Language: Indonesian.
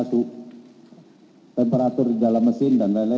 suhu temperatur di dalam mesin dan lain lain